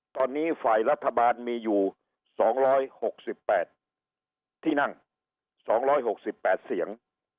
ตอนนี้ฝ่ายรัฐบาลมีอยู่๒๖๘ที่นั่ง๒๖๘เสียง